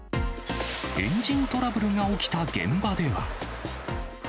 エンジントラブルが起きた現場では。